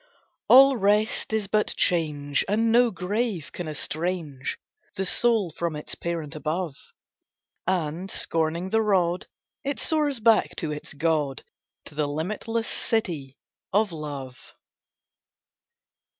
All rest is but change, and no grave can estrange The soul from its Parent above; And, scorning the rod, it soars back to its God, To the limitless City of Love.